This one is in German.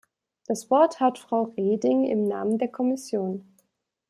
Das Wort hat Frau Reding im Namen der Kommission.